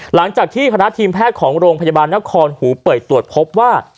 หลังจากที่คณะทีมแพทย์ของโรงพยาบาลนครหูเปิดตรวจพบว่า